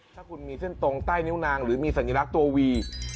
ถ้าคุณมีเส้นตรงใต้นิ้วนางหรือมีสัญลักษณ์ตัววี